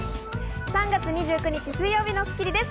３月２９日、水曜日の『スッキリ』です。